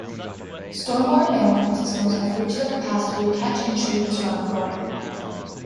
Stormwater management systems have reached their capacity to catch and treat this runoff water.